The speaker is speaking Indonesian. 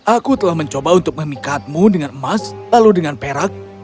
aku telah mencoba untuk memikatmu dengan emas lalu dengan perak